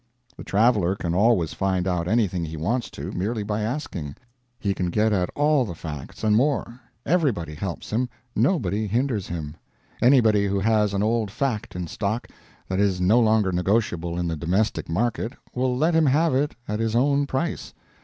The traveler can always find out anything he wants to, merely by asking. He can get at all the facts, and more. Everybody helps him, nobody hinders him. Anybody who has an old fact in stock that is no longer negotiable in the domestic market will let him have it at his own price.